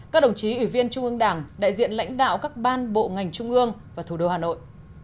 các đồng chí ủy viên trung ương đảng đại diện lãnh đạo các ban bộ ngành trung ương và thủ đô hà nội